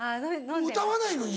歌わないのに？